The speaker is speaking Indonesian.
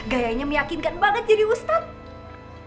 gayanya meyakinkan banget jadi ustadz